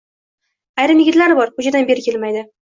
Ayrim yigitlar bor: ko‘chadan beri kelmaydi